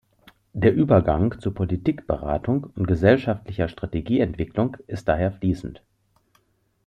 Der Übergang zu Politikberatung und gesellschaftlicher Strategieentwicklung ist daher fließend.